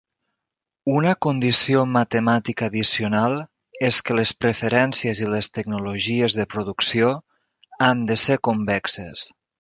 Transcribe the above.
Una condició matemàtica addicional és que les preferències i les tecnologies de producció han de ser convexes.